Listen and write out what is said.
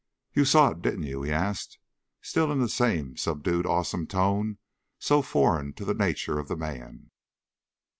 "You saw it, didn't you?" he asked, still in the same subdued awesome tone so foreign to the nature of the man.